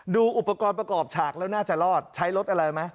ดูอุปกรณ์ประกอบฉากแล้วน่าจะรอดใช้รถอะไรไหม